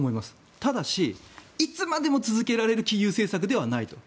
ただし、いつまでも続けられる金融政策ではないと。